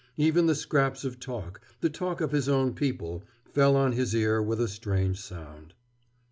Even the scraps of talk, the talk of his own people, fell on his ear with a strange sound.